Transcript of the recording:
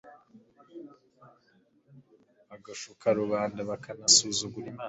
bagashuka rubanda, bakanasuzugura Imana.